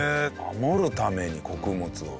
守るために、穀物を。